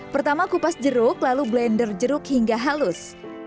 pertama kupas jeruk lalu blender jeruk hingga halus